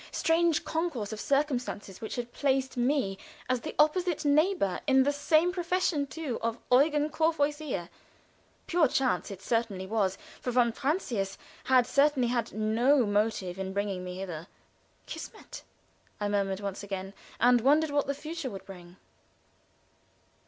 Strange concourse of circumstances which had placed me as the opposite neighbor, in the same profession too, of Eugen Courvoisier! Pure chance it certainly was, for von Francius had certainly had no motive in bringing me hither. "Kismet!" I murmured once again, and wondered what the future would bring.